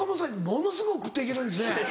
ものすごい食っていけるんですね。